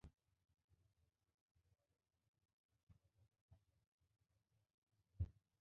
হাসপাতালের শিশু ওয়ার্ডের ফটকের পাশেই খোলা জায়গায় মলত্যাগ করছে ডায়রিয়ায় আক্রান্ত শিশুরা।